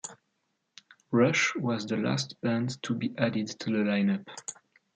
Rush was the last band to be added to the lineup.